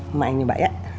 emak ini mbak ya